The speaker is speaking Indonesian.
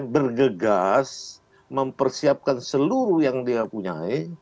bergegas mempersiapkan seluruh yang dia punya